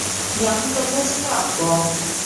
যখন তোমরা ছিলে অজ্ঞ।